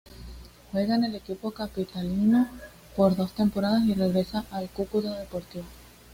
Juega en el equipo capitalino por dos temporadas y regresa al Cúcuta Deportivo.